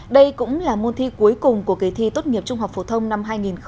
đây cũng là môn thi cuối cùng của kỳ thi tốt nghiệp trung học phổ thông năm hai nghìn hai mươi